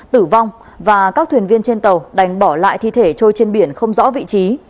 tử vong và các thuyền viên trên tàu đành bỏ lại thi thể trôi trên biển không rõ vị trí